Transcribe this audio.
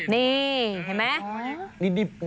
นี่เห็นไหม